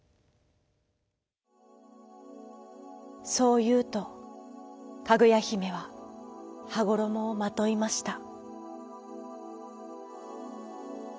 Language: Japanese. そういうとかぐやひめははごろもをまといました。